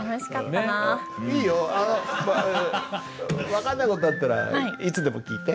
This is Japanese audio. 分かんない事あったらいつでも聞いて。